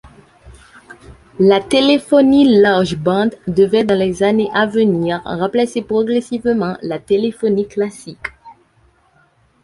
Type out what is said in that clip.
La téléphonie large-bande devrait dans les années à venir remplacer progressivement la téléphonie classique.